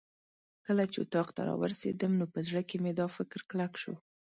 کله چې اتاق ته راورسېدم نو په زړه کې مې دا فکر کلک شو.